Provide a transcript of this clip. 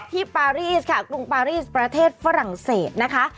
ปารีสค่ะกรุงปารีสประเทศฝรั่งเศสนะคะ